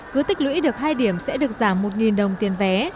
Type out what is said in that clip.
cứ tích lũy được hai điểm sẽ được giảm một đồng tiền vé